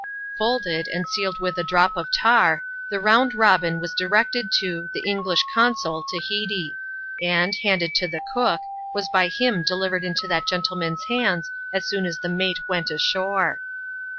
Folded, and sealed with a drop of tar, the Round Robin was directed to " The English Consul, Tahiti ;" and, handed to the cook, was by him delivered into that gentleman's hands as soon as the mate went ashore.